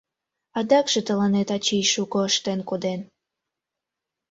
Адакше тыланет ачий шуко ыштен коден.